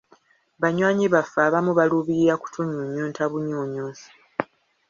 Banywanyi baffe abamu baluubirira kutunyunyunta bunyunyusi.